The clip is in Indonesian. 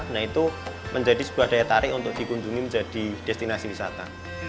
nah itu menjadi sebuah daya tarik untuk dikunjungi menjadi destinasi wisata